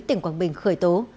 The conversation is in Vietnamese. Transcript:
tỉnh quảng bình khởi tố